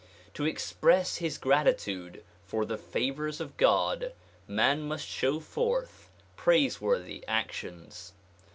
To express his gratitude for the favors of God man must show forth praiseworthy actions.